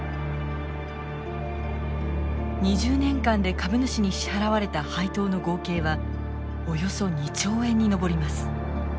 ２０年間で株主に支払われた配当の合計はおよそ２兆円に上ります。